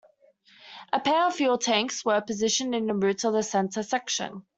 A pair of fuel tanks were positioned in the roots of the center section.